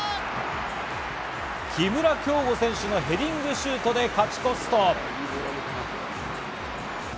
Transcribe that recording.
木村匡吾選手のヘディングシュートで勝ち越すと。